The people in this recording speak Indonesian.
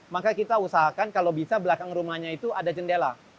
maka kita usahakan kalau bisa di belakang rumah ada jendela